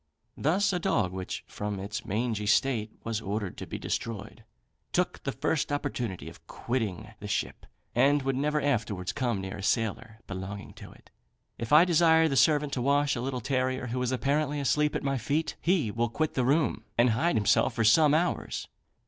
Thus a dog, which, from its mangy state, was ordered to be destroyed, took the first opportunity of quitting the ship, and would never afterwards come near a sailor belonging to it. If I desire the servant to wash a little terrier, who is apparently asleep at my feet, he will quit the room, and hide himself for some hours.